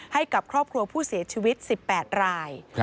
ให้กับครอบครัวผู้เสียชีวิต๑๘ราย